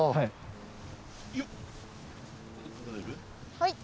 はい。